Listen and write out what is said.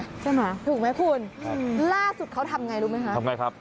นึกออกไหมถูกไหมคุณล่าสุดเขาทำง่ายครับ